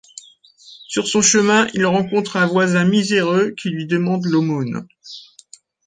Sur son chemin il rencontre un voisin miséreux qui lui demande l’aumône.